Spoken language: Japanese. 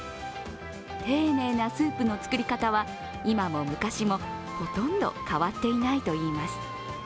丁寧なスープの作り方は今も昔もほとんど変わっていないといいます。